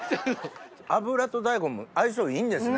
油と大根の相性いいんですね。